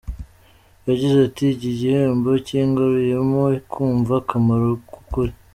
Yagize ati : ”Iki gihembo kingaruyemo kumva akamaro k’ukuri.